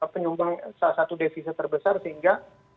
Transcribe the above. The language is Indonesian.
penyumbang salah satu devisa terbesar sehingga